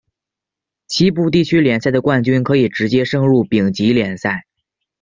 西部地区联赛的冠军可以直接升入丙级联赛。